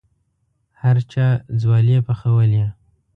هر چا ځوالې پخولې.